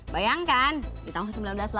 bayangkan di tahun seribu sembilan ratus delapan puluh